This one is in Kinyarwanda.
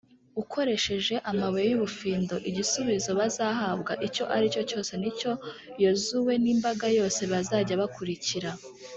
ukoresheje amabuye y’ubufindo, igisubizo bazahabwa icyo ari cyo cyose, ni cyo yozuwe n’imbaga yose bazajya bakurikira.»